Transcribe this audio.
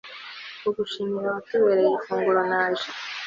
kugushimira, watubereye ifunguro, naje